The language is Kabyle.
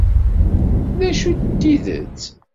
D acu i d tidet?